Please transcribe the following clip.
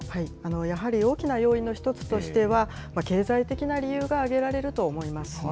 やはり大きな要因の１つとしては、経済的な理由が挙げられると思います。